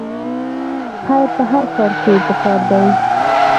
خیر په هر کار کې پکار دی